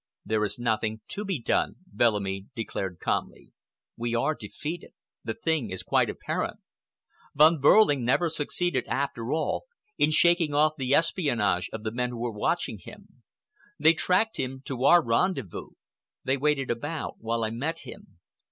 "There is nothing to be done," Bellamy declared calmly. "We are defeated. The thing is quite apparent. Von Behrling never succeeded, after all, in shaking off the espionage of the men who were watching him. They tracked him to our rendezvous, they waited about while I met him.